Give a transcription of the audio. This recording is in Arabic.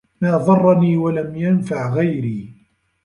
مَا ضَرَّنِي وَلَمْ يَنْفَعْ غَيْرِي